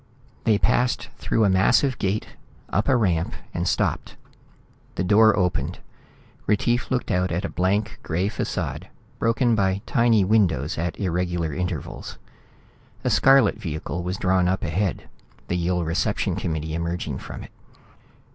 They passed through a massive gate, up a ramp, and stopped. The door opened. Retief looked out at a blank gray facade, broken by tiny windows at irregular intervals. A scarlet vehicle was drawn up ahead, the Yill reception committee emerging from it.